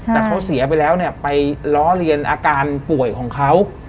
แต่เขาเสียไปแล้วเนี่ยไปล้อเลียนอาการป่วยของเขา